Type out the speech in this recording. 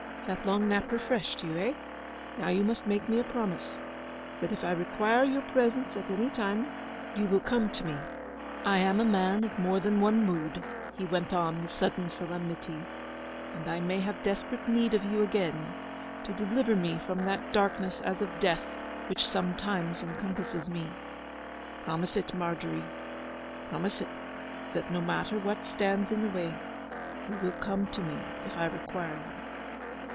'That long nap refreshed you, eh? Now you must make me a promise. That if I require your presence at any time, you will come to me ... I am a man of more than one mood,' he went on with sudden solemnity; 'and I may have desperate need of you again, to deliver me from that darkness as of Death which sometimes encompasses me. Promise it, Margery—promise it; that, no matter what stands in the way, you will come to me if I require you.